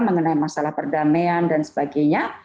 mengenai masalah perdamaian dan sebagainya